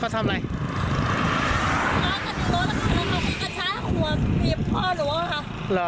เขากันโดดแล้วเขามีกระช้าหัวหีบพ่อหรือเปล่าค่ะ